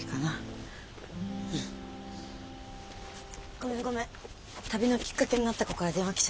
ごめんごめん旅のきっかけになった子から電話来ちゃった。